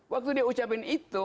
waktu dia ucapin itu